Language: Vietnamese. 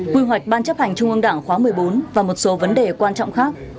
quy hoạch ban chấp hành trung ương đảng khóa một mươi bốn và một số vấn đề quan trọng khác